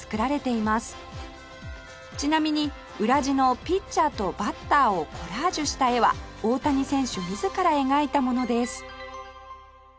ちなみに裏地のピッチャーとバッターをコラージュした絵は大谷選手自ら描いたものです